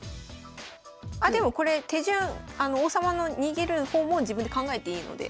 あでもこれ手順王様の逃げる方も自分で考えていいので。